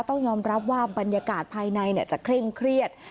ต้องยอมรับว่าบรรยากาศภายในจะเคร่งเครียด